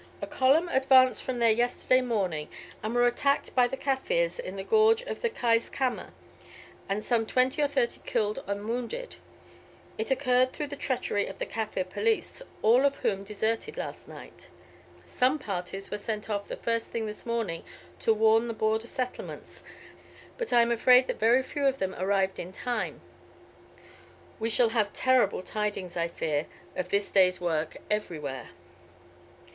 "A column advanced from there yesterday morning, and were attacked by the Kaffirs in the gorge of the Keiskamma and some twenty or thirty killed and wounded. It occurred through the treachery of the Kaffir police, all of whom deserted last night. Some parties were sent off the first thing this morning to warn the border settlements, but I am afraid that very few of them arrived in time. We shall have terrible tidings, I fear, of this day's work everywhere."